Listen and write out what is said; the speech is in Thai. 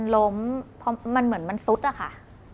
ล้มเหมือนมันซุดอะค่ะ